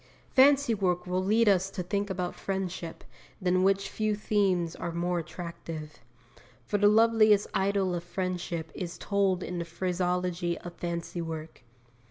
Fancy work will lead us to think about friendship, than which few themes are more attractive. For the loveliest idyll of friendship is told in the phraseology of fancy work.